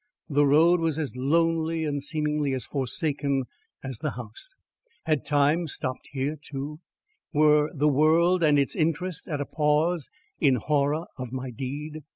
The road was as lonely and seemingly as forsaken as the house. Had time stopped here too? Were the world and its interests at a pause in horror of my deed?